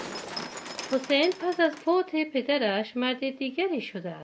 حسین پس از فوت پدرش مرد دیگری شده است.